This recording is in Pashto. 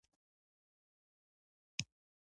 د تورو مرچو سره غوښه لا خوندوره کېږي.